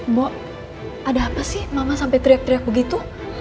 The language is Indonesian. mbok ada apa sih mama sampai teriak teriak begitu